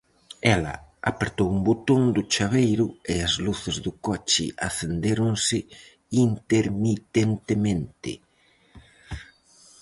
Ela apertou un botón do chaveiro e as luces do coche acendéronse intermitentemente.